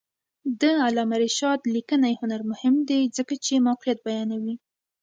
د علامه رشاد لیکنی هنر مهم دی ځکه چې موقعیت بیانوي.